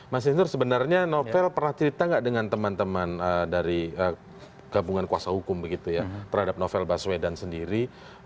mas hindur sebenarnya novel pernah cerita nggak dengan teman teman dari gabungan kuasa hukum begitu ya terhadap novel baswedan sendiri